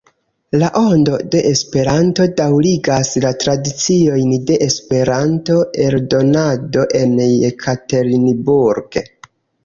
La Ondo de Esperanto daŭrigas la tradiciojn de la esperanto-eldonado en Jekaterinburg.